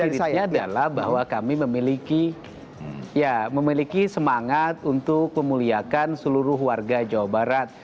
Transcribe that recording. yang jelas spiritnya adalah bahwa kami memiliki semangat untuk memuliakan seluruh warga jawa barat